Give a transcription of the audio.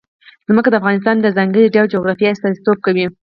ځمکه د افغانستان د ځانګړي ډول جغرافیه استازیتوب کوي.